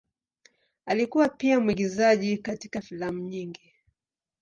Alikuwa pia mwigizaji katika filamu nyingi.